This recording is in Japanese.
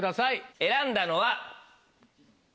選んだのは。